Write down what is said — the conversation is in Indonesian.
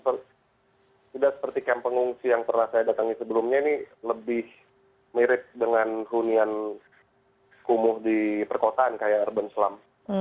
jadi tidak seperti kamp pengungsi yang pernah saya datangi sebelumnya ini lebih mirip dengan hunian kumuh di perkotaan kayak urban slum